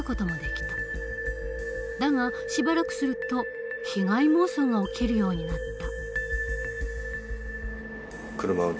だがしばらくすると被害妄想が起きるようになった。